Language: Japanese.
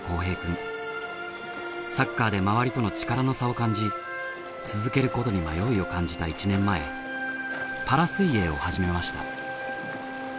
サッカーで周りとの力の差を感じ続けることに迷いを感じた１年前パラ水泳を始めました。